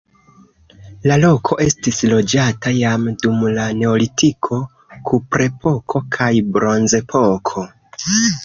La loko estis loĝata jam dum la neolitiko, kuprepoko kaj bronzepoko.